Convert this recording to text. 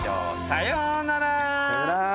さようなら。